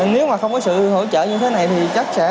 nếu mà không có sự hỗ trợ như thế này thì chắc sẽ